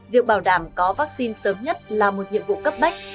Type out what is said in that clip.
việc bảo đảm có vaccine sớm nhất là một nhiệm vụ cấp bách